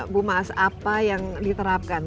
bu mas apa yang diterapkan